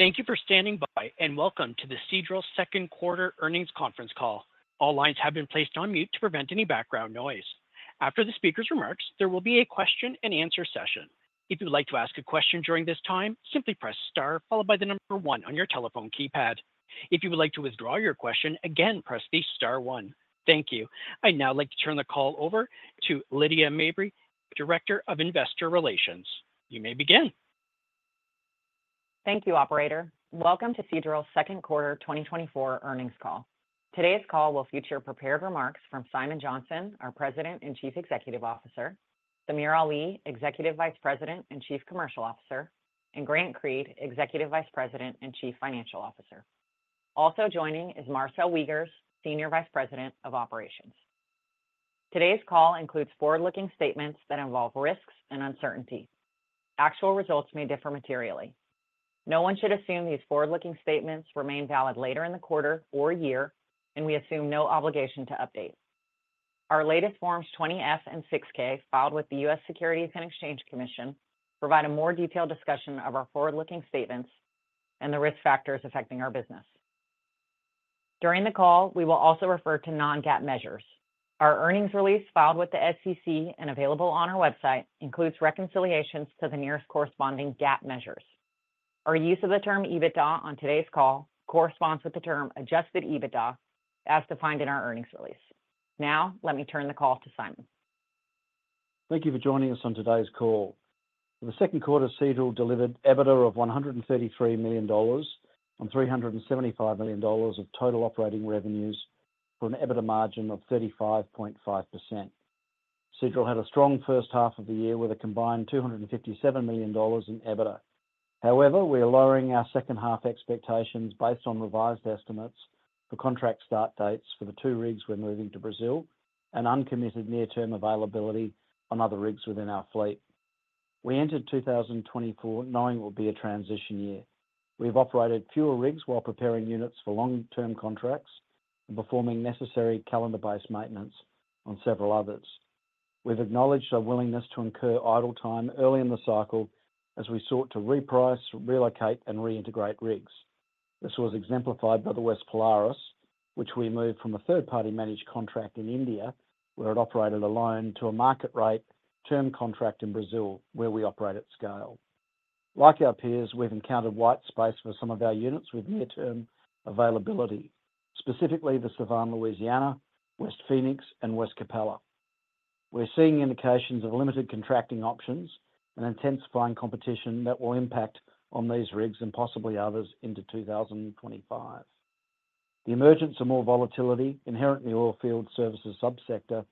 Thank you for standing by, and welcome to the Seadrill second quarter earnings conference call. All lines have been placed on mute to prevent any background noise. After the speaker's remarks, there will be a question and answer session. If you'd like to ask a question during this time, simply press star followed by the number one on your telephone keypad. If you would like to withdraw your question, again, press the star one. Thank you. I'd now like to turn the call over to Lydia Mabry, Director of Investor Relations. You may begin. Thank you, operator. Welcome to Seadrill's second quarter 2024 earnings call. Today's call will feature prepared remarks from Simon Johnson, our President and Chief Executive Officer, Samir Ali, Executive Vice President and Chief Commercial Officer, and Grant Creed, Executive Vice President and Chief Financial Officer. Also joining is Marcel Wiggers, Senior Vice President of Operations. Today's call includes forward-looking statements that involve risks and uncertainties. Actual results may differ materially. No one should assume these forward-looking statements remain valid later in the quarter or year, and we assume no obligation to update. Our latest Forms 20-F and 6-K, filed with the US Securities and Exchange Commission, provide a more detailed discussion of our forward-looking statements and the risk factors affecting our business. During the call, we will also refer to non-GAAP measures. Our earnings release, filed with the SEC and available on our website, includes reconciliations to the nearest corresponding GAAP measures. Our use of the term EBITDA on today's call corresponds with the term adjusted EBITDA, as defined in our earnings release. Now, let me turn the call to Simon. Thank you for joining us on today's call. For the second quarter, Seadrill delivered EBITDA of $133 million on $375 million of total operating revenues for an EBITDA margin of 35.5%. Seadrill had a strong first half of the year with a combined $257 million in EBITDA. However, we are lowering our second half expectations based on revised estimates for contract start dates for the two rigs we're moving to Brazil and uncommitted near-term availability on other rigs within our fleet. We entered 2024 knowing it will be a transition year. We've operated fewer rigs while preparing units for long-term contracts and performing necessary calendar-based maintenance on several others. We've acknowledged our willingness to incur idle time early in the cycle as we sought to reprice, relocate, and reintegrate rigs. This was exemplified by the West Polaris, which we moved from a third-party managed contract in India, where it operated alone, to a market rate term contract in Brazil, where we operate at scale. Like our peers, we've encountered white space for some of our units with near-term availability, specifically the Sevan Louisiana, West Phoenix, and West Capella. We're seeing indications of limited contracting options and intensifying competition that will impact on these rigs and possibly others into 2025. The emergence of more volatility, inherent in the oilfield services sub-sector,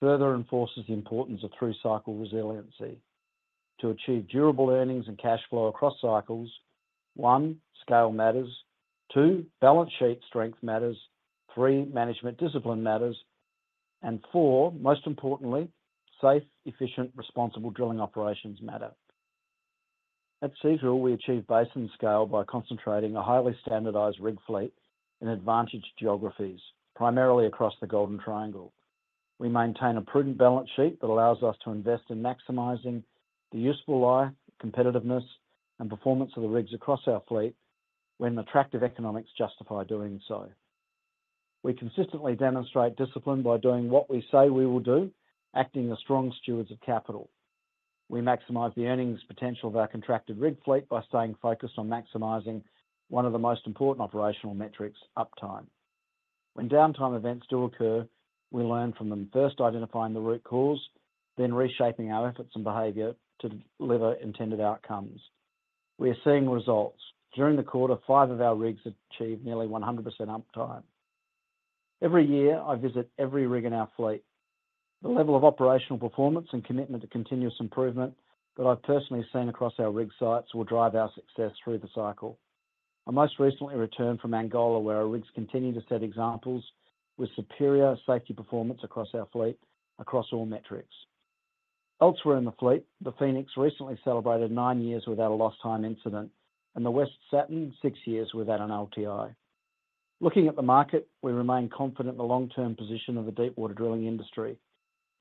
further enforces the importance of through-cycle resiliency. To achieve durable earnings and cash flow across cycles, one, scale matters, two, balance sheet strength matters, three, management discipline matters, and four, most importantly, safe, efficient, responsible drilling operations matter. At Seadrill, we achieve basin scale by concentrating a highly standardized rig fleet in advantage geographies, primarily across the Golden Triangle. We maintain a prudent balance sheet that allows us to invest in maximizing the useful life, competitiveness, and performance of the rigs across our fleet when attractive economics justify doing so. We consistently demonstrate discipline by doing what we say we will do, acting as strong stewards of capital. We maximize the earnings potential of our contracted rig fleet by staying focused on maximizing one of the most important operational metrics, uptime. When downtime events do occur, we learn from them, first identifying the root cause, then reshaping our efforts and behavior to deliver intended outcomes. We are seeing results. During the quarter, five of our rigs achieved nearly 100% uptime. Every year, I visit every rig in our fleet. The level of operational performance and commitment to continuous improvement that I've personally seen across our rig sites will drive our success through the cycle. I most recently returned from Angola, where our rigs continue to set examples with superior safety performance across our fleet, across all metrics. Elsewhere in the fleet, the Phoenix recently celebrated nine years without a lost time incident, and the West Saturn, six years without an LTI. Looking at the market, we remain confident in the long-term position of the deepwater drilling industry.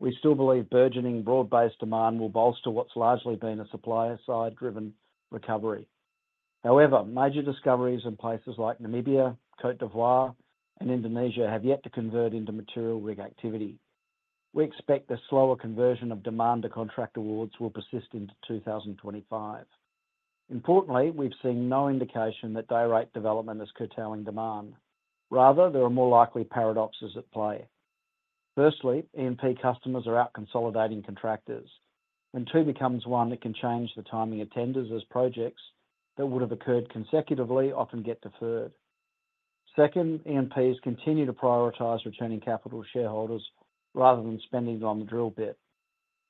We still believe burgeoning, broad-based demand will bolster what's largely been a supplier-side driven recovery. However, major discoveries in places like Namibia, Côte d'Ivoire, and Indonesia have yet to convert into material rig activity. We expect the slower conversion of demand to contract awards will persist into 2025. Importantly, we've seen no indication that dayrate development is curtailing demand. Rather, there are more likely paradoxes at play. Firstly, E&P customers are out consolidating contractors. When two becomes one, it can change the timing of tenders, as projects that would have occurred consecutively often get deferred. Second, E&Ps continue to prioritize returning capital to shareholders rather than spending it on the drill bit.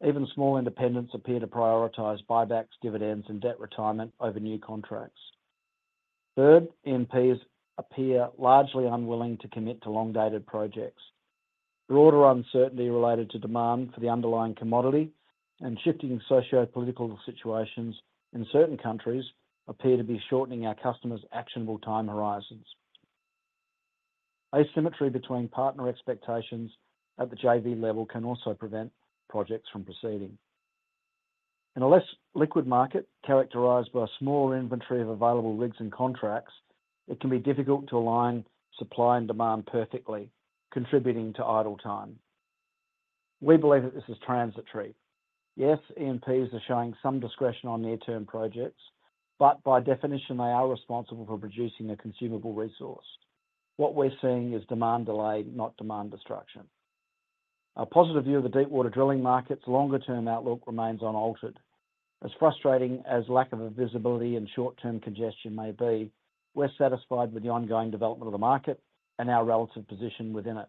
Even small independents appear to prioritize buybacks, dividends, and debt retirement over new contracts. Third, E&Ps appear largely unwilling to commit to long-dated projects. Broader uncertainty related to demand for the underlying commodity and shifting sociopolitical situations in certain countries appear to be shortening our customers' actionable time horizons.... Asymmetry between partner expectations at the JV level can also prevent projects from proceeding. In a less liquid market, characterized by a small inventory of available rigs and contracts, it can be difficult to align supply and demand perfectly, contributing to idle time. We believe that this is transitory. Yes, E&Ps are showing some discretion on near-term projects, but by definition, they are responsible for producing a consumable resource. What we're seeing is demand delay, not demand destruction. Our positive view of the deepwater drilling market's longer-term outlook remains unaltered. As frustrating as lack of visibility and short-term congestion may be, we're satisfied with the ongoing development of the market and our relative position within it.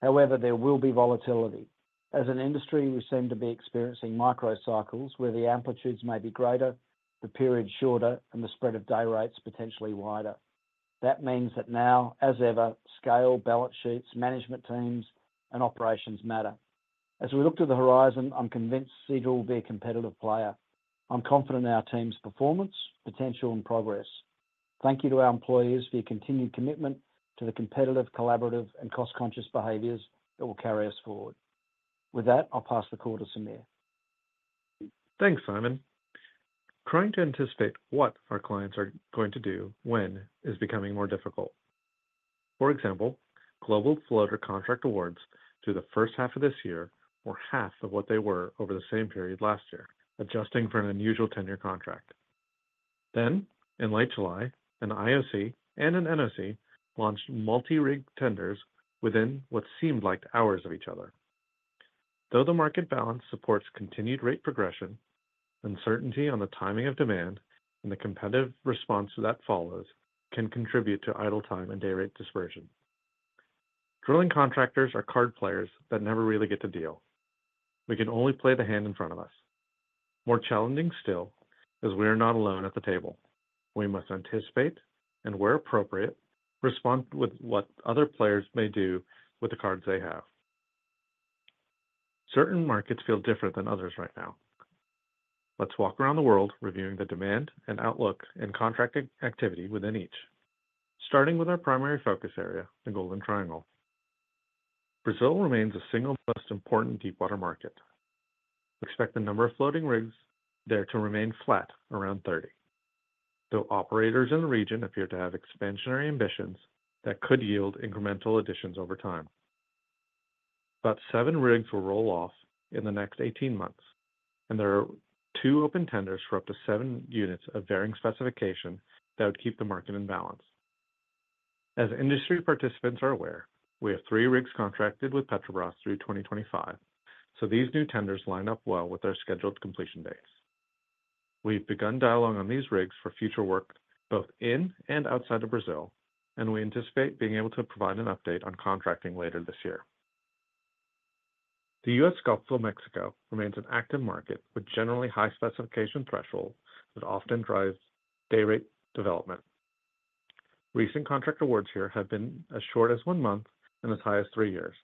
However, there will be volatility. As an industry, we seem to be experiencing micro cycles, where the amplitudes may be greater, the period shorter, and the spread of day rates potentially wider. That means that now, as ever, scale, balance sheets, management teams, and operations matter. As we look to the horizon, I'm convinced Seadrill will be a competitive player. I'm confident in our team's performance, potential, and progress. Thank you to our employees for your continued commitment to the competitive, collaborative and cost-conscious behaviors that will carry us forward. With that, I'll pass the call to Samir. Thanks, Simon. Trying to anticipate what our clients are going to do when is becoming more difficult. For example, global floater contract awards through the first half of this year were half of what they were over the same period last year, adjusting for an unusual ten-year contract. Then, in late July, an IOC and an NOC launched multi-rig tenders within what seemed like hours of each other. Though the market balance supports continued rate progression, uncertainty on the timing of demand and the competitive response that follows can contribute to idle time and day rate dispersion. Drilling contractors are card players that never really get to deal. We can only play the hand in front of us. More challenging still, is we are not alone at the table. We must anticipate, and where appropriate, respond with what other players may do with the cards they have. Certain markets feel different than others right now. Let's walk around the world reviewing the demand and outlook and contracting activity within each. Starting with our primary focus area, the Golden Triangle. Brazil remains the single most important deepwater market. Expect the number of floating rigs there to remain flat, around 30, though operators in the region appear to have expansionary ambitions that could yield incremental additions over time. About 7 rigs will roll off in the next 18 months, and there are 2 open tenders for up to 7 units of varying specification that would keep the market in balance. As industry participants are aware, we have 3 rigs contracted with Petrobras through 2025, so these new tenders line up well with their scheduled completion dates. We've begun dialogue on these rigs for future work, both in and outside of Brazil, and we anticipate being able to provide an update on contracting later this year. The U.S. Gulf of Mexico remains an active market, with generally high specification thresholds that often drives day rate development. Recent contract awards here have been as short as one month and as high as three years,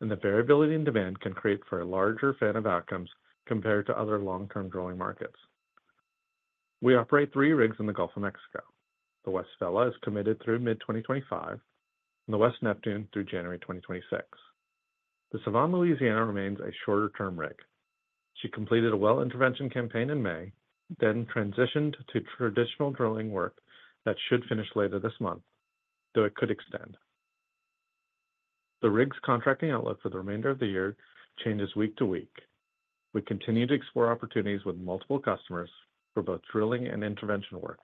and the variability in demand can create for a larger fan of outcomes compared to other long-term drilling markets. We operate three rigs in the Gulf of Mexico. The West Vela is committed through mid-2025, and the West Neptune through January 2026. The Sevan Louisiana remains a shorter-term rig. She completed a well intervention campaign in May, then transitioned to traditional drilling work that should finish later this month, though it could extend. The rig's contracting outlook for the remainder of the year changes week to week. We continue to explore opportunities with multiple customers for both drilling and intervention work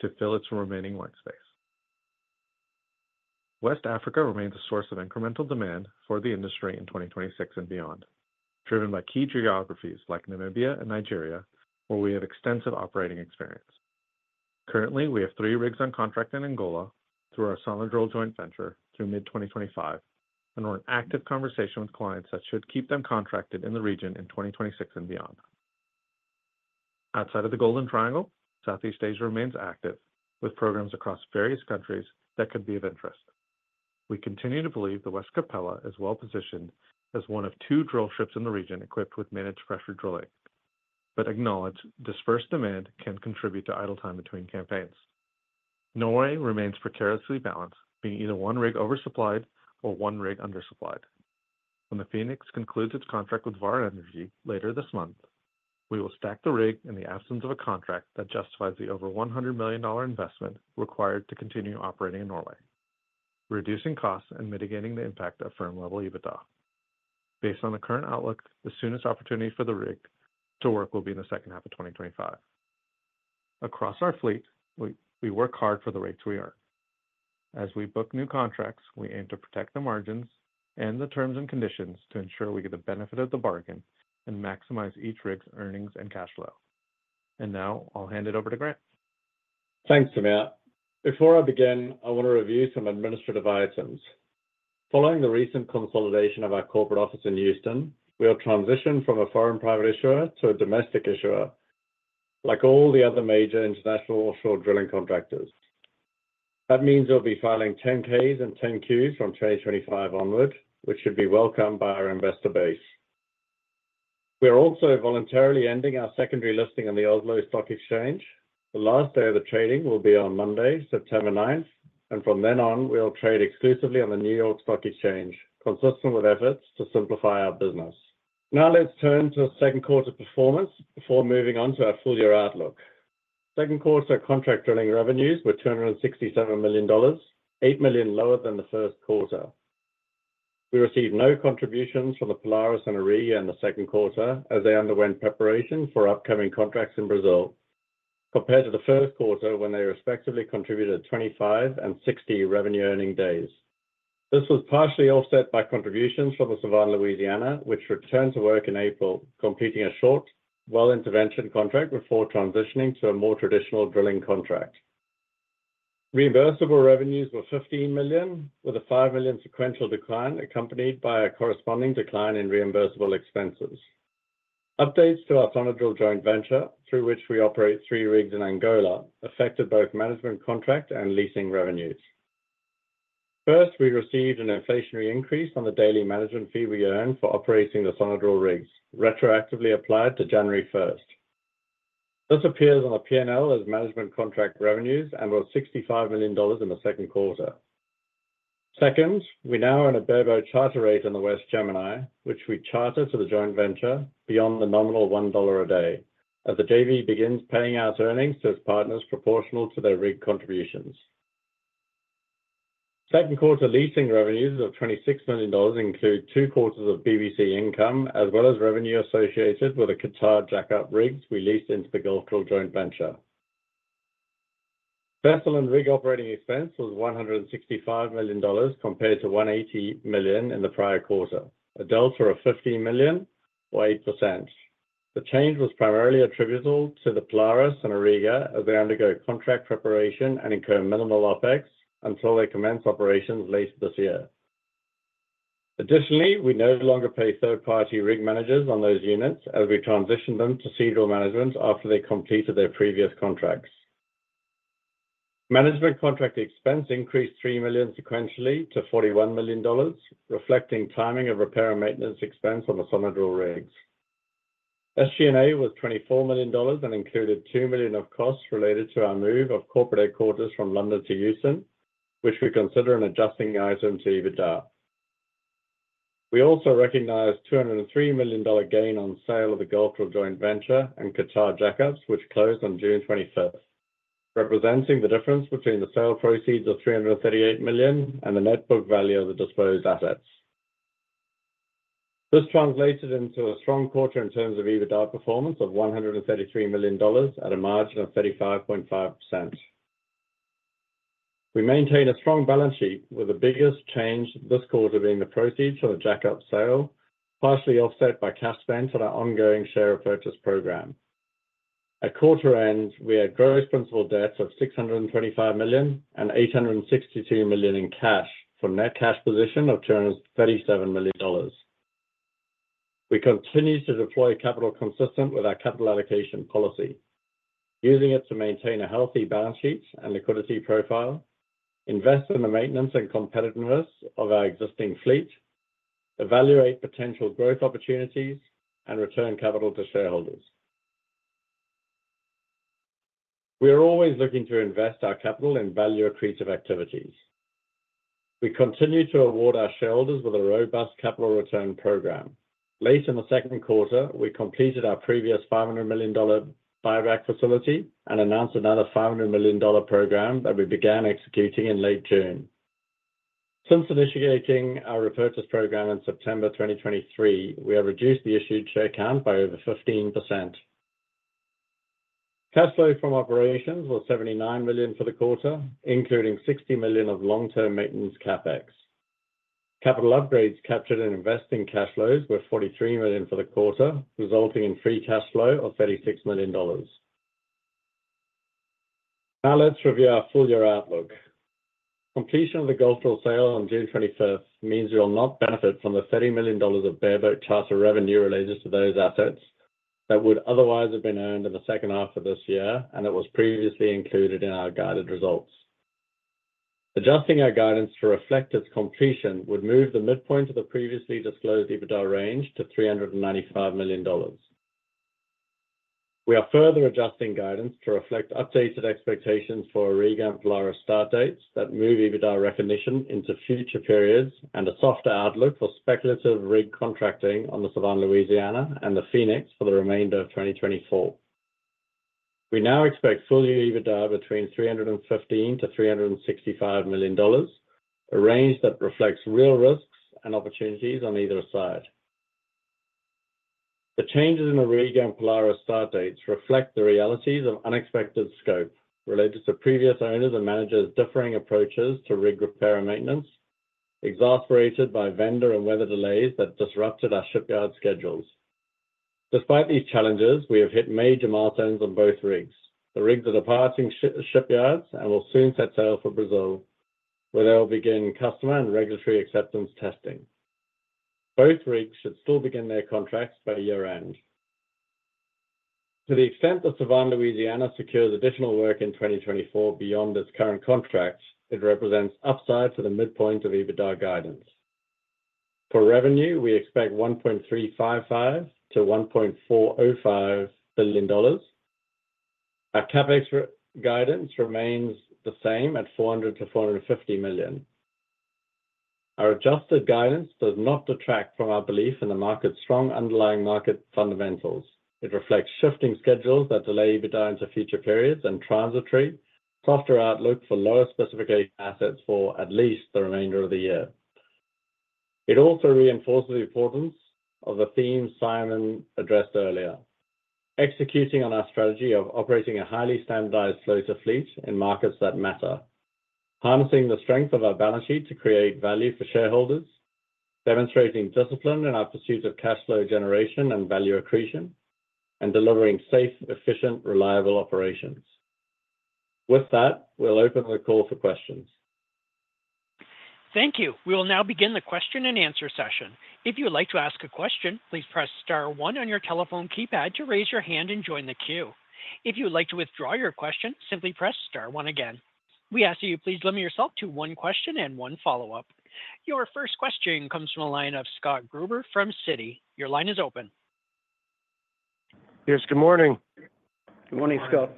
to fill its remaining white space. West Africa remains a source of incremental demand for the industry in 2026 and beyond, driven by key geographies like Namibia and Nigeria, where we have extensive operating experience. Currently, we have 3 rigs on contract in Angola through our Seadrill joint venture through mid-2025, and we're in active conversation with clients that should keep them contracted in the region in 2026 and beyond. Outside of the Golden Triangle, Southeast Asia remains active, with programs across various countries that could be of interest. We continue to believe the West Capella is well-positioned as one of two drill ships in the region equipped with managed pressure drilling, but acknowledge dispersed demand can contribute to idle time between campaigns. Norway remains precariously balanced, being either one rig oversupplied or one rig undersupplied. When the Phoenix concludes its contract with Vår Energi later this month, we will stack the rig in the absence of a contract that justifies the over $100 million investment required to continue operating in Norway, reducing costs and mitigating the impact of firm-level EBITDA. Based on the current outlook, the soonest opportunity for the rig to work will be in the second half of 2025. Across our fleet, we work hard for the rates we earn. As we book new contracts, we aim to protect the margins and the terms and conditions to ensure we get the benefit of the bargain and maximize each rig's earnings and cash flow. Now I'll hand it over to Grant. Thanks, Samir. Before I begin, I want to review some administrative items. Following the recent consolidation of our corporate office in Houston, we have transitioned from a foreign private issuer to a domestic issuer, like all the other major international offshore drilling contractors. That means we'll be filing 10-Ks and 10-Qs from 2025 onward, which should be welcomed by our investor base. ... We are also voluntarily ending our secondary listing on the Oslo Stock Exchange. The last day of the trading will be on Monday, September 9, and from then on, we'll trade exclusively on the New York Stock Exchange, consistent with efforts to simplify our business. Now let's turn to second quarter performance before moving on to our full year outlook. Second quarter contract drilling revenues were $267 million, $8 million lower than the first quarter. We received no contributions from the Polaris and Auriga in the second quarter as they underwent preparation for upcoming contracts in Brazil, compared to the first quarter, when they respectively contributed 25 and 60 revenue-earning days. This was partially offset by contributions from the Sevan Louisiana, which returned to work in April, completing a short well intervention contract before transitioning to a more traditional drilling contract. Reimbursable revenues were $15 million, with a $5 million sequential decline, accompanied by a corresponding decline in reimbursable expenses. Updates to our Sonadrill joint venture, through which we operate three rigs in Angola, affected both management, contract, and leasing revenues. First, we received an inflationary increase on the daily management fee we earn for operating the Sonadrill rigs, retroactively applied to January first. This appears on the P&L as management contract revenues and was $65 million in the second quarter. Second, we now own a bareboat charter rate on the West Gemini, which we charter to the joint venture beyond the nominal $1 a day, as the JV begins paying out earnings to its partners proportional to their rig contributions. Second quarter leasing revenues of $26 million include two quarters of BBC income, as well as revenue associated with the Qatar jackup rigs we leased into the Gulf Coast Joint Venture. Vessel and rig operating expense was $165 million, compared to $180 million in the prior quarter, a delta of $50 million or 8%. The change was primarily attributable to the Polaris and Auriga as they undergo contract preparation and incur minimal OpEx until they commence operations late this year. Additionally, we no longer pay third-party rig managers on those units as we transition them to Seadrill management after they completed their previous contracts. Management contract expense increased $3 million sequentially to $41 million, reflecting timing of repair and maintenance expense on the Sonadrill rigs. SG&A was $24 million and included $2 million of costs related to our move of corporate headquarters from London to Houston, which we consider an adjusting item to EBITDA. We also recognized $203 million dollar gain on sale of the Gulf Coast Joint Venture and Qatar jackups, which closed on June 21, representing the difference between the sale proceeds of $338 million and the net book value of the disposed assets. This translated into a strong quarter in terms of EBITDA performance of $133 million at a margin of 35.5%. We maintain a strong balance sheet, with the biggest change this quarter being the proceeds from the jackup sale, partially offset by cash spends on our ongoing share repurchase program. At quarter end, we had gross principal debts of $625 million and $862 million in cash for net cash position of $237 million. We continue to deploy capital consistent with our capital allocation policy, using it to maintain a healthy balance sheet and liquidity profile, invest in the maintenance and competitiveness of our existing fleet, evaluate potential growth opportunities, and return capital to shareholders. We are always looking to invest our capital in value-accretive activities. We continue to award our shareholders with a robust capital return program. Late in the second quarter, we completed our previous $500 million buyback facility and announced another $500 million program that we began executing in late June. Since initiating our repurchase program in September 2023, we have reduced the issued share count by over 15%. Cash flow from operations was $79 million for the quarter, including $60 million of long-term maintenance CapEx. Capital upgrades captured in investing cash flows were $43 million for the quarter, resulting in free cash flow of $36 million. Now let's review our full year outlook. Completion of the Gulf Coast sale on June 21st means we will not benefit from the $30 million of bareboat charter revenue related to those assets that would otherwise have been earned in the second half of this year, and it was previously included in our guided results. Adjusting our guidance to reflect its completion would move the midpoint of the previously disclosed EBITDA range to $395 million. We are further adjusting guidance to reflect updated expectations for Auriga and Polaris start dates that move EBITDA recognition into future periods and a softer outlook for speculative rig contracting on the Sevan Louisiana and the West Phoenix for the remainder of 2024. We now expect full-year EBITDA between $315 million-$365 million, a range that reflects real risks and opportunities on either side. The changes in the Auriga and Polaris start dates reflect the realities of unexpected scope related to previous owners' and managers' differing approaches to rig repair and maintenance, exasperated by vendor and weather delays that disrupted our shipyard schedules. Despite these challenges, we have hit major milestones on both rigs. The rigs are departing the shipyards and will soon set sail for Brazil, where they will begin customer and regulatory acceptance testing. Both rigs should still begin their contracts by year-end. To the extent that Sevan Louisiana secures additional work in 2024 beyond its current contracts, it represents upside to the midpoint of EBITDA guidance. For revenue, we expect $1.355 billion-$1.405 billion. Our CapEx guidance remains the same at $400 million-$450 million. Our adjusted guidance does not detract from our belief in the market's strong underlying market fundamentals. It reflects shifting schedules that delay EBITDA into future periods and transitory, softer outlook for lower-specification assets for at least the remainder of the year. It also reinforces the importance of the theme Simon addressed earlier, executing on our strategy of operating a highly standardized floater fleet in markets that matter, harnessing the strength of our balance sheet to create value for shareholders, demonstrating discipline in our pursuit of cash flow generation and value accretion, and delivering safe, efficient, reliable operations. With that, we'll open the call for questions. Thank you. We will now begin the question-and-answer session. If you would like to ask a question, please press star one on your telephone keypad to raise your hand and join the queue. If you would like to withdraw your question, simply press star one again. We ask that you please limit yourself to one question and one follow-up. Your first question comes from the line of Scott Gruber from Citi. Your line is open. Yes, good morning. Good morning, Scott.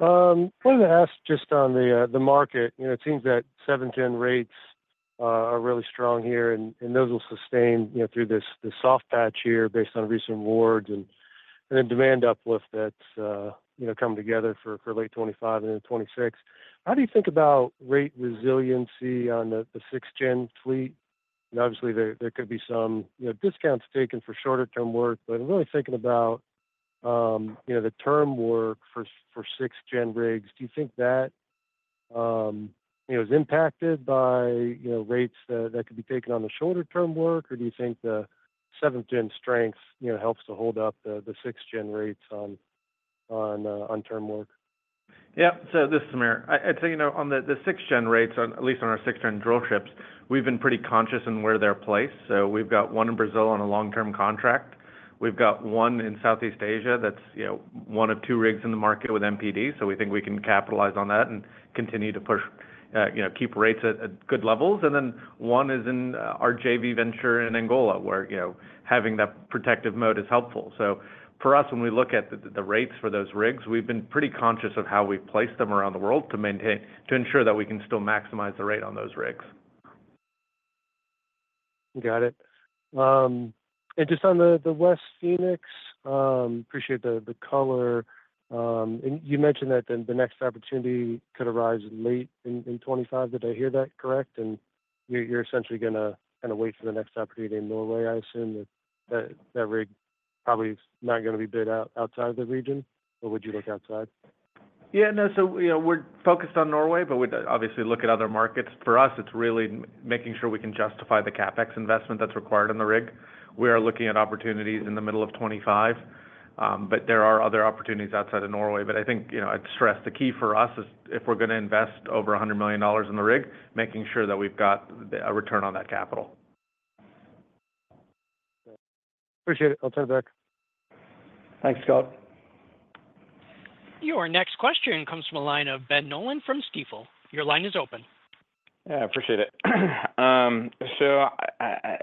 Wanted to ask just on the market, you know, it seems that 7th-gen rates are really strong here, and those will sustain, you know, through this soft patch here based on recent awards and then demand uplift that's, you know, coming together for late 2025 and then 2026. How do you think about rate resiliency on the 6th-gen fleet? And obviously, there could be some, you know, discounts taken for shorter term work, but I'm really thinking about, you know, the term work for 6th-gen rigs. Do you think that it was impacted by, you know, rates that could be taken on the shorter term work, or do you think the 7th-gen strengths, you know, helps to hold up the 6th-gen rates on term work? Yeah. So this is Samir. I'd say, you know, on the six-gen rates, at least on our six-gen drillships, we've been pretty conscious in where they're placed. So we've got one in Brazil on a long-term contract. We've got one in Southeast Asia that's, you know, one of two rigs in the market with MPD, so we think we can capitalize on that and continue to push, you know, keep rates at good levels. And then one is in our JV venture in Angola, where, you know, having that protective mode is helpful. So for us, when we look at the rates for those rigs, we've been pretty conscious of how we've placed them around the world to maintain - to ensure that we can still maximize the rate on those rigs. Got it. And just on the West Phoenix, appreciate the color. And you mentioned that the next opportunity could arise in late 2025. Did I hear that correct? And you're essentially gonna kinda wait for the next opportunity in Norway. I assume that that rig probably is not gonna be bid out outside of the region, or would you look outside? Yeah, no. So, you know, we're focused on Norway, but we'd obviously look at other markets. For us, it's really making sure we can justify the CapEx investment that's required on the rig. We are looking at opportunities in the middle of 2025, but there are other opportunities outside of Norway. But I think, you know, I'd stress the key for us is if we're gonna invest over $100 million in the rig, making sure that we've got the, a return on that capital. Appreciate it. I'll turn it back. Thanks, Scott. Your next question comes from a line of Ben Nolan from Stifel. Your line is open. Yeah, appreciate it. So I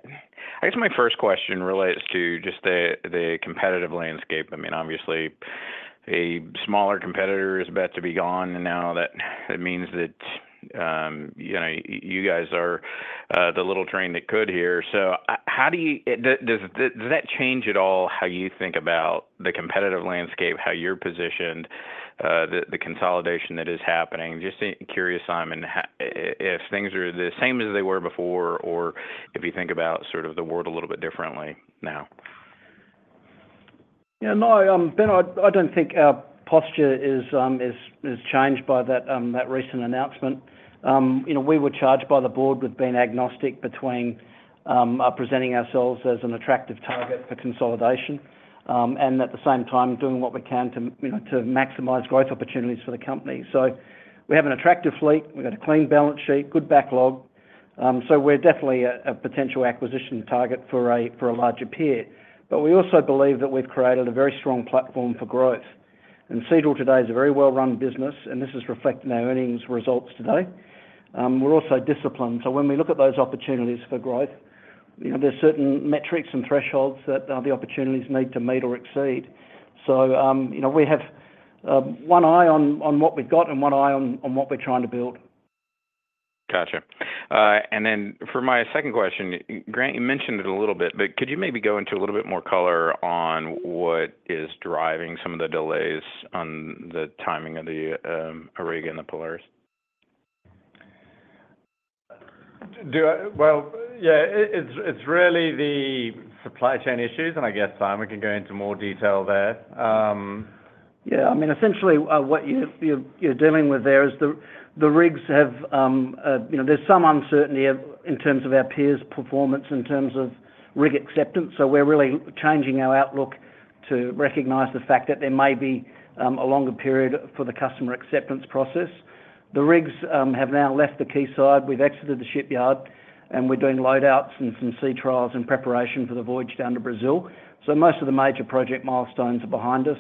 guess my first question relates to just the competitive landscape. I mean, obviously, a smaller competitor is about to be gone, and now that it means that, you know, you guys are the little train that could here. So how does that change at all, how you think about the competitive landscape, how you're positioned, the consolidation that is happening? Just curious, Simon, if things are the same as they were before, or if you think about sort of the world a little bit differently now. Yeah. No, Ben, I don't think our posture is changed by that recent announcement. You know, we were charged by the board with being agnostic between presenting ourselves as an attractive target for consolidation, and at the same time, doing what we can to, you know, to maximize growth opportunities for the company. So we have an attractive fleet, we've got a clean balance sheet, good backlog, so we're definitely a potential acquisition target for a larger peer. But we also believe that we've created a very strong platform for growth. And Seadrill today is a very well-run business, and this is reflected in our earnings results today. We're also disciplined, so when we look at those opportunities for growth, you know, there's certain metrics and thresholds that the opportunities need to meet or exceed. So, you know, we have one eye on what we've got and one eye on what we're trying to build. Gotcha. And then for my second question, Grant, you mentioned it a little bit, but could you maybe go into a little bit more color on what is driving some of the delays on the timing of the Auriga and the Polaris? Well, yeah, it's really the supply chain issues, and I guess Simon can go into more detail there. Yeah, I mean, essentially, what you're dealing with there is the rigs have you know, there's some uncertainty of, in terms of our peers' performance, in terms of rig acceptance, so we're really changing our outlook to recognize the fact that there may be a longer period for the customer acceptance process. The rigs have now left the quayside. We've exited the shipyard, and we're doing load outs and some sea trials in preparation for the voyage down to Brazil. So most of the major project milestones are behind us.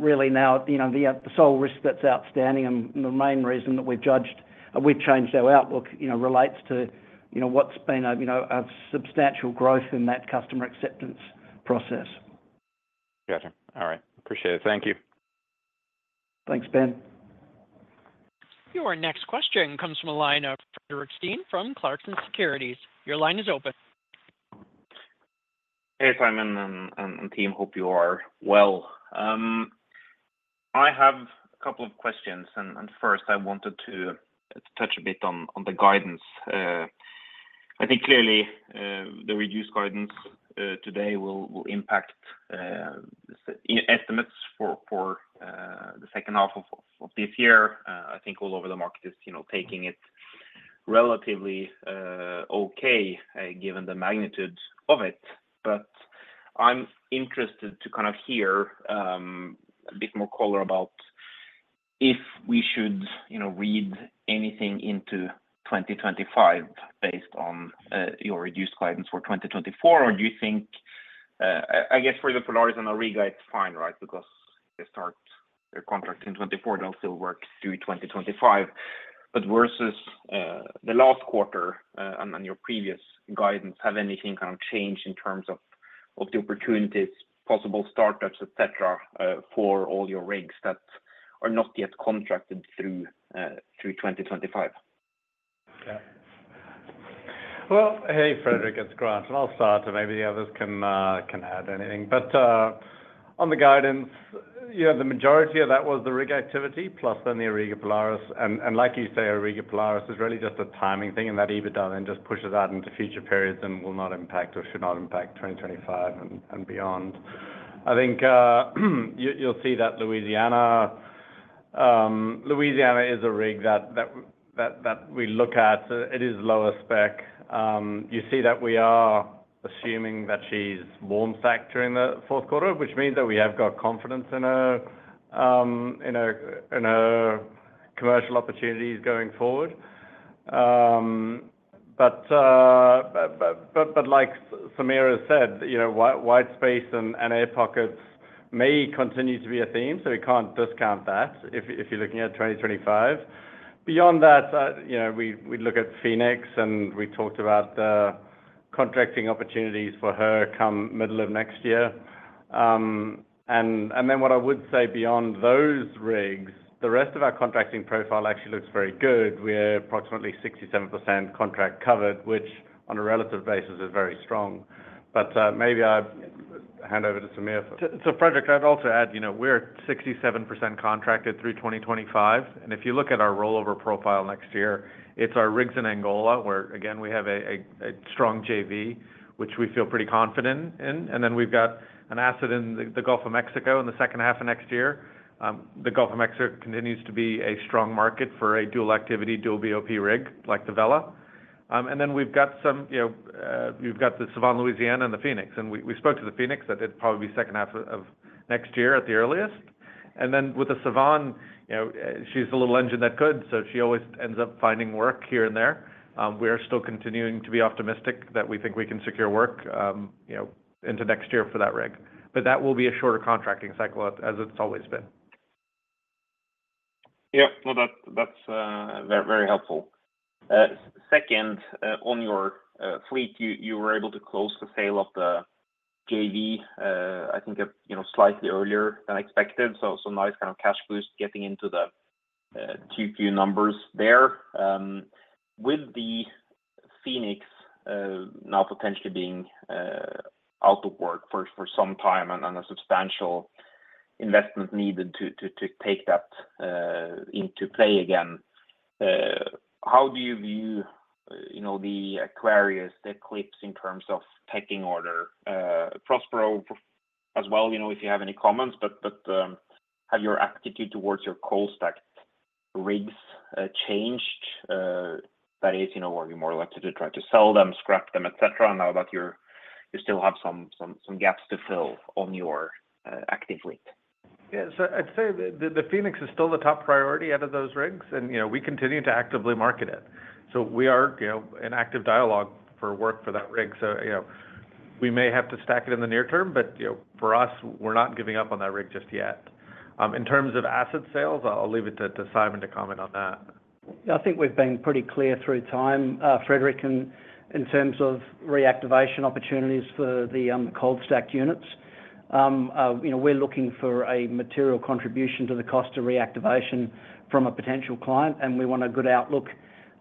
Really now, you know, the sole risk that's outstanding and the main reason that we've judged, and we've changed our outlook, you know, relates to, you know, what's been a, you know, a substantial growth in that customer acceptance process. Gotcha. All right, appreciate it. Thank you. Thanks, Ben. Your next question comes from the line of Fredrik Stene from Clarksons Securities. Your line is open. Hey, Simon and team, hope you are well. I have a couple of questions, and first, I wanted to touch a bit on the guidance. I think clearly, the reduced guidance today will impact consensus estimates for the second half of this year. I think overall the market is, you know, taking it relatively okay, given the magnitude of it. But I'm interested to kind of hear a bit more color about if we should, you know, read anything into 2025 based on your reduced guidance for 2024. Or do you think... I guess for the Polaris and Auriga, it's fine, right? Because they start their contract in 2024, they'll still work through 2025. But versus the last quarter and your previous guidance, have anything kind of changed in terms of the opportunities, possible startups, et cetera, for all your rigs that are not yet contracted through 2025? Yeah. Well, hey, Fredrik, it's Grant, and I'll start, and maybe the others can add anything. But on the guidance, you know, the majority of that was the rig activity, plus then the Auriga Polaris. And like you say, Auriga Polaris is really just a timing thing, and that EBITDA then just pushes out into future periods and will not impact or should not impact 2025 and beyond. I think, you, you'll see that Louisiana is a rig that we look at. It is lower spec. You see that we are assuming that she's warm stacked during the fourth quarter, which means that we have got confidence in her commercial opportunities going forward. But like Samir has said, you know, white space and air pockets may continue to be a theme, so we can't discount that if you're looking at 2025. Beyond that, you know, we look at Phoenix, and we talked about the contracting opportunities for her come middle of next year. And then what I would say beyond those rigs, the rest of our contracting profile actually looks very good. We're approximately 67% contract covered, which on a relative basis, is very strong. But maybe I hand over to Samir for- So Fredrik, I'd also add, you know, we're 67% contracted through 2025, and if you look at our rollover profile next year, it's our rigs in Angola, where again, we have a strong JV, which we feel pretty confident in. And then we've got an asset in the Gulf of Mexico in the second half of next year. The Gulf of Mexico continues to be a strong market for a dual activity, dual BOP rig, like the Vela. And then we've got some, you know, we've got the Sevan Louisiana and the Phoenix. And we spoke to the Phoenix, that it'd probably be second half of next year at the earliest. And then with the Sevan, you know, she's the little engine that could, so she always ends up finding work here and there. We are still continuing to be optimistic that we think we can secure work, you know, into next year for that rig. But that will be a shorter contracting cycle, as it's always been. Yeah. No, that's very helpful. Second, on your fleet, you were able to close the sale of the JV, I think, you know, slightly earlier than expected, so some nice kind of cash boost getting into the two key numbers there. With the West Phoenix now potentially being out of work for some time and a substantial investment needed to take that into play again, how do you view, you know, the West Aquarius, the West Eclipse in terms of pecking order? West Prospero as well, you know, if you have any comments, but have your attitude towards your cold stacked rigs changed? That is, you know, were you more likely to try to sell them, scrap them, et cetera, now that you're, you still have some gaps to fill on your active fleet? Yeah. So I'd say the Phoenix is still the top priority out of those rigs, and, you know, we continue to actively market it. So we are, you know, in active dialogue for work for that rig. So, you know, we may have to stack it in the near term, but, you know, for us, we're not giving up on that rig just yet. In terms of asset sales, I'll leave it to Simon to comment on that. I think we've been pretty clear through time, Fredrik, and in terms of reactivation opportunities for the cold stacked units. You know, we're looking for a material contribution to the cost of reactivation from a potential client, and we want a good outlook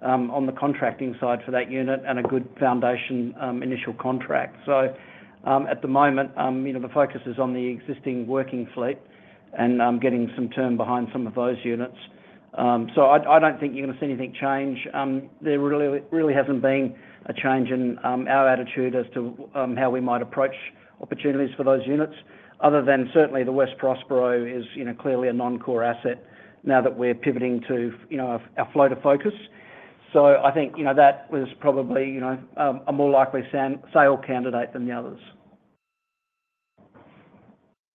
on the contracting side for that unit and a good foundation initial contract. So, at the moment, you know, the focus is on the existing working fleet and getting some term behind some of those units. So I don't think you're gonna see anything change. There really, really hasn't been a change in our attitude as to how we might approach opportunities for those units, other than certainly the West Prospero is, you know, clearly a non-core asset now that we're pivoting to, you know, our floater focus. I think, you know, that was probably, you know, a more likely sale candidate than the others.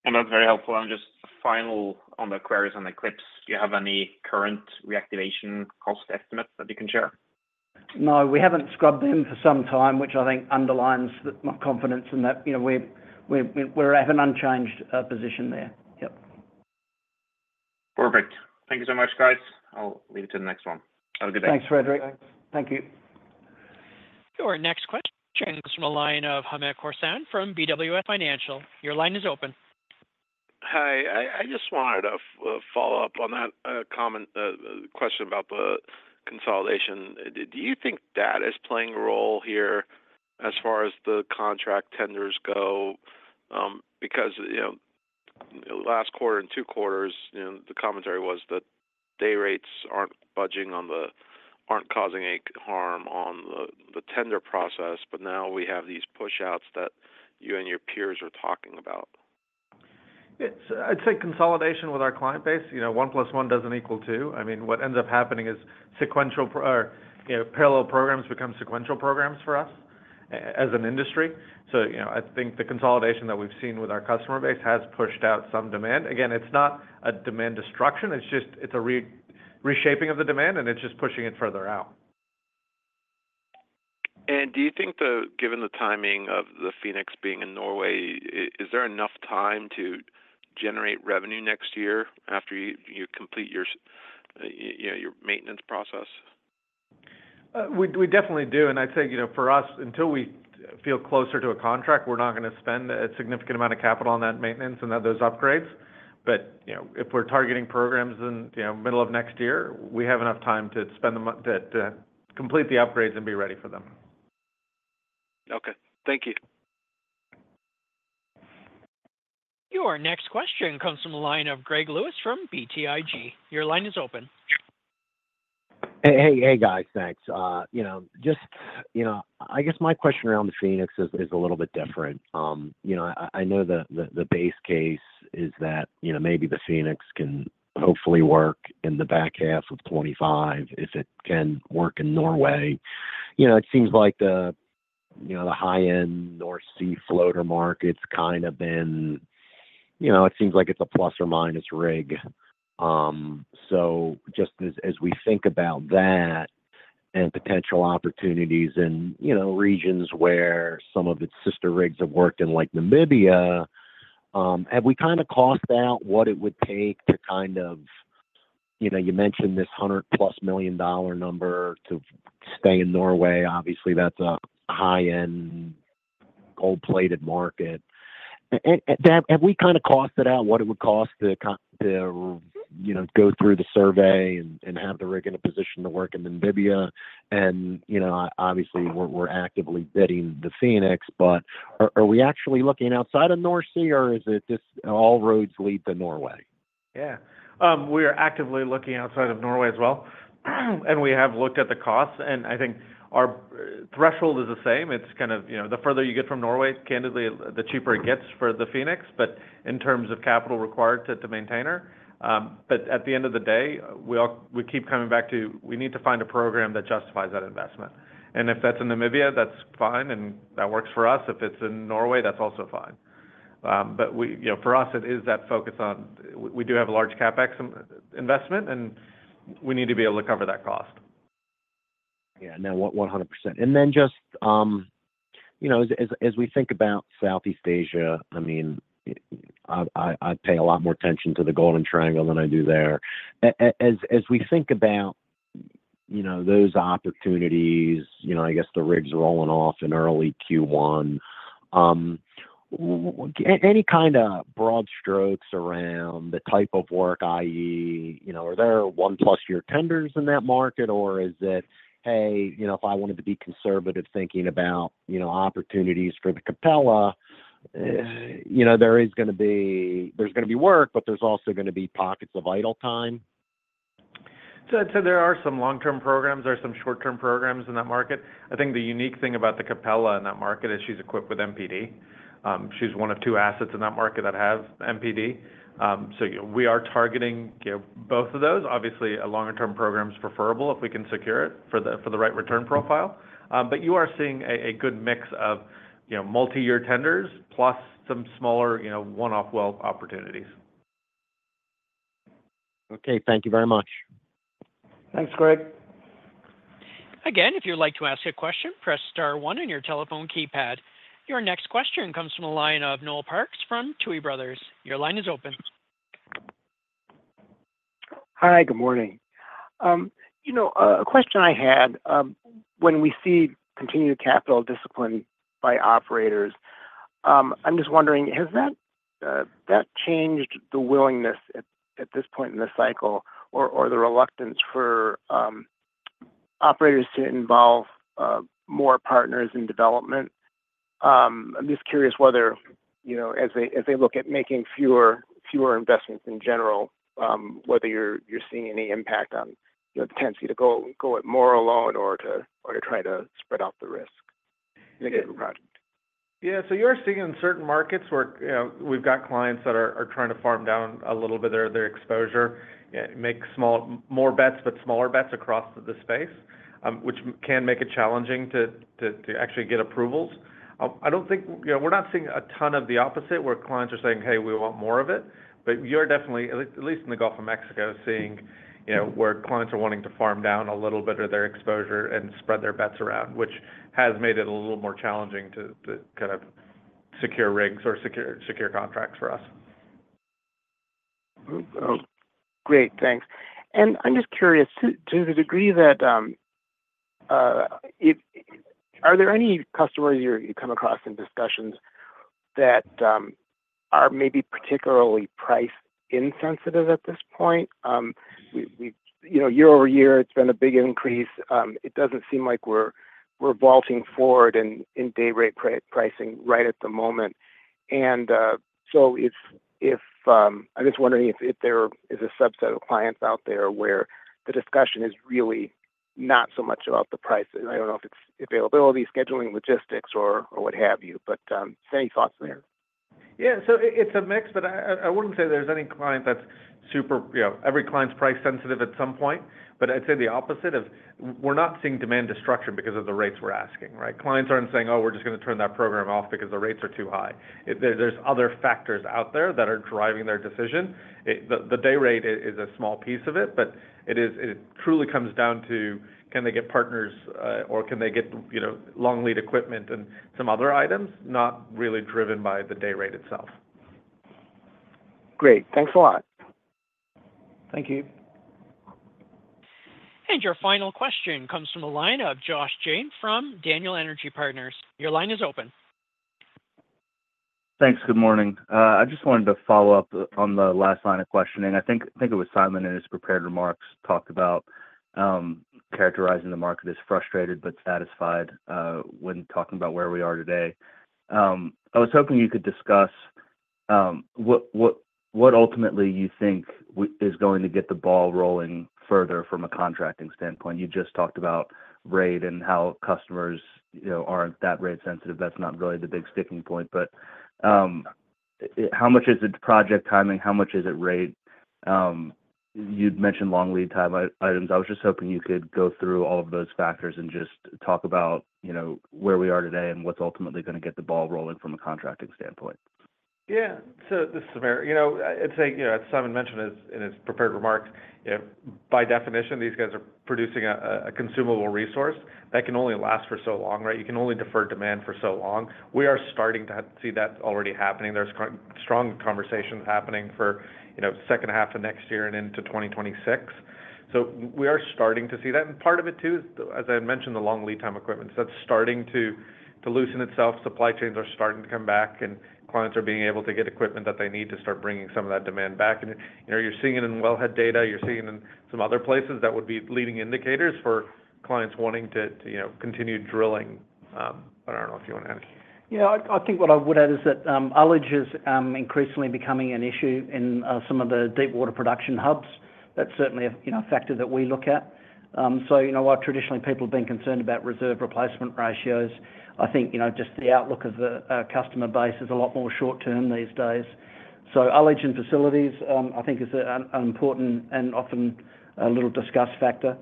That's very helpful. Just final on the queries on West Eclipse, do you have any current reactivation cost estimates that you can share? ... No, we haven't scrubbed them for some time, which I think underlines my confidence in that, you know, we're at an unchanged position there. Yep. Perfect. Thank you so much, guys. I'll leave it to the next one. Have a good day. Thanks, Frederick. Thanks. Thank you. Your next question comes from the line of Hamed Khorsand from BWS Financial. Your line is open. Hi, I just wanted to follow up on that comment, question about the consolidation. Do you think that is playing a role here as far as the contract tenders go? Because, you know, last quarter and two quarters, you know, the commentary was that day rates aren't budging aren't causing any harm on the tender process, but now we have these push outs that you and your peers are talking about. It's. I'd say consolidation with our client base, you know, one plus one doesn't equal two. I mean, what ends up happening is, you know, parallel programs become sequential programs for us as an industry. So, you know, I think the consolidation that we've seen with our customer base has pushed out some demand. Again, it's not a demand destruction, it's just, it's a reshaping of the demand, and it's just pushing it further out. Do you think, given the timing of the Phoenix being in Norway, is there enough time to generate revenue next year after you complete your, you know, your maintenance process? We definitely do, and I'd say, you know, for us, until we feel closer to a contract, we're not gonna spend a significant amount of capital on that maintenance and on those upgrades. But, you know, if we're targeting programs in, you know, middle of next year, we have enough time to spend the money to complete the upgrades and be ready for them. Okay. Thank you. Your next question comes from the line of Greg Lewis from BTIG. Your line is open. Hey, hey, guys, thanks. You know, just, you know, I guess my question around the Phoenix is a little bit different. You know, I know the base case is that, you know, maybe the Phoenix can hopefully work in the back half of 25, if it can work in Norway. You know, it seems like the high-end North Sea floater market's kind of been... You know, it seems like it's a ± rig. So just as we think about that and potential opportunities in, you know, regions where some of its sister rigs have worked in, like Namibia, have we kinda cost out what it would take to kind of... You know, you mentioned this $100+ million number to stay in Norway. Obviously, that's a high-end, gold-plated market. And have we kinda cost it out what it would cost to, you know, go through the survey and have the rig in a position to work in Namibia? And, you know, obviously, we're actively bidding the Phoenix, but are we actually looking outside of North Sea, or is it just all roads lead to Norway? Yeah. We are actively looking outside of Norway as well, and we have looked at the costs, and I think our threshold is the same. It's kind of, you know, the further you get from Norway, candidly, the cheaper it gets for the Phoenix, but in terms of capital required to maintain her. But at the end of the day, we keep coming back to, we need to find a program that justifies that investment. And if that's in Namibia, that's fine, and that works for us. If it's in Norway, that's also fine. But we, you know, for us, it is that focus on... We do have a large CapEx investment, and we need to be able to cover that cost. Yeah. No, 100%. And then just, you know, as we think about Southeast Asia, I mean, I pay a lot more attention to the Golden Triangle than I do there. As we think about, you know, those opportunities, you know, I guess the rigs rolling off in early Q1, with any kind of broad strokes around the type of work, i.e., you know, are there one-plus-year tenders in that market, or is it: Hey, you know, if I wanted to be conservative thinking about, you know, opportunities for the Capella, you know, there is gonna be work, but there's also gonna be pockets of idle time? So I'd say there are some long-term programs, there are some short-term programs in that market. I think the unique thing about the Capella in that market is she's equipped with MPD. She's one of two assets in that market that has MPD. So we are targeting, you know, both of those. Obviously, a longer-term program is preferable if we can secure it for the right return profile. But you are seeing a good mix of, you know, multiyear tenders plus some smaller, you know, one-off well opportunities. Okay. Thank you very much. Thanks, Greg. Again, if you'd like to ask a question, press star one on your telephone keypad. Your next question comes from the line of Noel Parks from Tuohy Brothers. Your line is open. Hi, good morning. You know, a question I had, when we see continued capital discipline by operators, I'm just wondering: Has that changed the willingness at this point in the cycle, or the reluctance for operators to involve more partners in development? I'm just curious whether, you know, as they look at making fewer investments in general, whether you're seeing any impact on the tendency to go it more alone or to try to spread out the risk in a given project? Yeah, so you are seeing in certain markets where, you know, we've got clients that are trying to farm down a little bit of their exposure, make smaller bets across the space, which can make it challenging to actually get approvals. You know, we're not seeing a ton of the opposite, where clients are saying, "Hey, we want more of it." But we are definitely, at least in the Gulf of Mexico, seeing, you know, where clients are wanting to farm down a little bit of their exposure and spread their bets around, which has made it a little more challenging to kind of secure rigs or secure contracts for us. Oh, great, thanks. And I'm just curious, to the degree that if—are there any customers you come across in discussions that are maybe particularly price insensitive at this point? We, you know, year-over-year, it's been a big increase. It doesn't seem like we're vaulting forward in day rate pricing right at the moment. And so if... I'm just wondering if there is a subset of clients out there where the discussion is really not so much about the price. And I don't know if it's availability, scheduling, logistics, or what have you, but any thoughts there? Yeah. So it's a mix, but I wouldn't say there's any client that's super... You know, every client's price sensitive at some point, but I'd say the opposite of we're not seeing demand destruction because of the rates we're asking, right? Clients aren't saying, "Oh, we're just gonna turn that program off because the rates are too high." There's other factors out there that are driving their decision. The day rate is a small piece of it, but it truly comes down to, can they get partners or can they get, you know, long-lead equipment and some other items? Not really driven by the day rate itself. Great. Thanks a lot. Thank you. Your final question comes from the line of Josh Jayne from Daniel Energy Partners. Your line is open. Thanks. Good morning. I just wanted to follow up on the last line of questioning. I think it was Simon, in his prepared remarks, talked about characterizing the market as frustrated but satisfied, when talking about where we are today. I was hoping you could discuss what ultimately you think is going to get the ball rolling further from a contracting standpoint? You just talked about rate and how customers, you know, aren't that rate sensitive, that's not really the big sticking point. But, how much is it project timing? How much is it rate? You'd mentioned long lead time items. I was just hoping you could go through all of those factors and just talk about, you know, where we are today and what's ultimately gonna get the ball rolling from a contracting standpoint. Yeah. So this is Samir. You know, I'd say, you know, as Simon mentioned in his prepared remarks, if by definition these guys are producing a consumable resource, that can only last for so long, right? You can only defer demand for so long. We are starting to see that already happening. There's strong conversations happening for, you know, second half of next year and into 2026. So we are starting to see that. And part of it, too, is, as I mentioned, the long lead time equipment. So that's starting to loosen itself. Supply chains are starting to come back, and clients are being able to get equipment that they need to start bringing some of that demand back. You know, you're seeing it in wellhead data, you're seeing it in some other places that would be leading indicators for clients wanting to, you know, continue drilling. But I don't know if you want to add anything. Yeah, I think what I would add is that, ullage is increasingly becoming an issue in some of the deepwater production hubs. That's certainly a, you know, factor that we look at. So, you know, while traditionally people have been concerned about reserve replacement ratios, I think, you know, just the outlook of the, customer base is a lot more short term these days. So ullage and facilities, I think is an important and often a little discussed factor.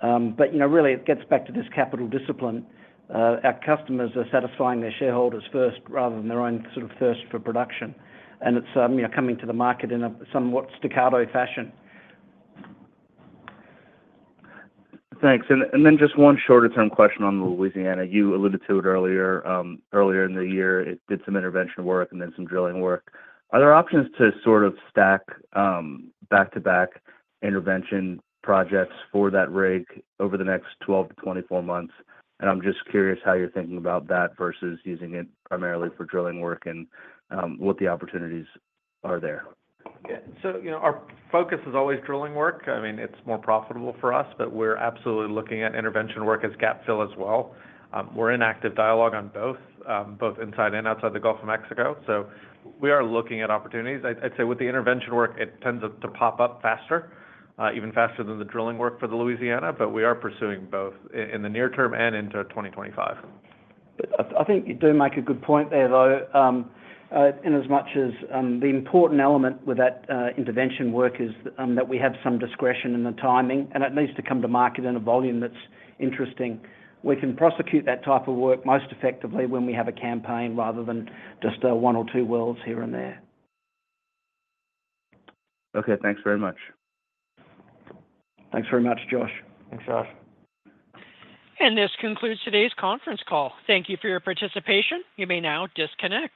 But, you know, really, it gets back to this capital discipline. Our customers are satisfying their shareholders first rather than their own sort of thirst for production, and it's, you know, coming to the market in a somewhat staccato fashion. Thanks. And then just one shorter-term question on Louisiana. You alluded to it earlier. Earlier in the year, it did some intervention work and then some drilling work. Are there options to sort of stack back-to-back intervention projects for that rig over the next 12-24 months? And I'm just curious how you're thinking about that versus using it primarily for drilling work and what the opportunities are there. Yeah. So, you know, our focus is always drilling work. I mean, it's more profitable for us, but we're absolutely looking at intervention work as gap fill as well. We're in active dialogue on both, both inside and outside the Gulf of Mexico, so we are looking at opportunities. I'd say with the intervention work, it tends to pop up faster, even faster than the drilling work for the Louisiana, but we are pursuing both in the near term and into 2025. I think you do make a good point there, though. In as much as the important element with that intervention work is that we have some discretion in the timing, and it needs to come to market in a volume that's interesting. We can prosecute that type of work most effectively when we have a campaign rather than just one or two wells here and there. Okay, thanks very much. Thanks very much, Josh. Thanks, Josh. This concludes today's conference call. Thank you for your participation. You may now disconnect.